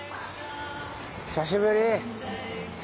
久しぶり。